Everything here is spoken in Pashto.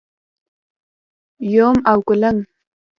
🪏 یوم او کولنګ⛏️